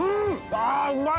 あぁうまい！